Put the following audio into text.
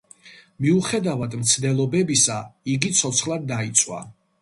მიუხედავად მცდელობებისა, იგი ცოცხლად დაიწვა.